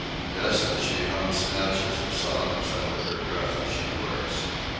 Yes, and she hums snatches of songs under her breath as she works.